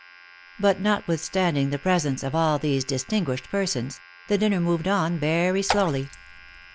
But, notwithstanding the presence of all these distinguished per sons, the dinner moved on very slowly.